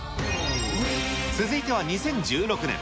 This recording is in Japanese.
続いては、２０１６年。